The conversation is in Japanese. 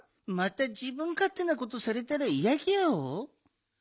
またじぶんかってなことされたらいやギャオ。